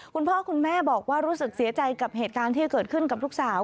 คุณพ่อคุณแม่บอกว่ารู้สึกเสียใจกับเหตุการณ์ที่เกิดขึ้นกับลูกสาว